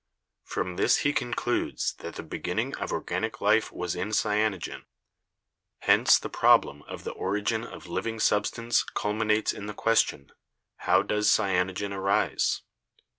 From this he concludes that the beginning of organic life was in cyanogen. Hence the problem of the origin of living substance cul minates in the question: How does cyanogen arise?